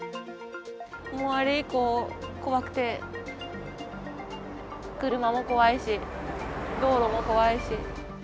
もうあれ以降、怖くて、車も怖いし、道路も怖いし。